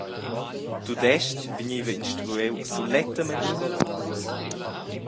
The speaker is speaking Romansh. Tudestg vegneva instruiu sulettamein sco rom.